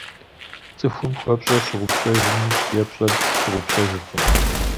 ЦӀыхум хуэпщӀэр щыгъупщэжми, епщӀэр щыгъупщэжыркъым.